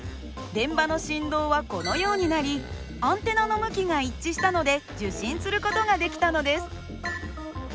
電場の振動はこのようになりアンテナの向きが一致したので受信する事ができたのです。